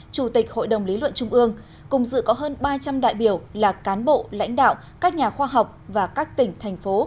chủ tịch hội đồng lý luận trung ương cùng dự có hơn ba trăm linh đại biểu là cán bộ lãnh đạo các nhà khoa học và các tỉnh thành phố